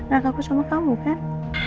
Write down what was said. anak aku sama kamu kan